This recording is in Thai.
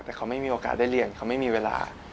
แต่เขาไม่มีโอกาสได้เรียนเขาไม่มีเวลา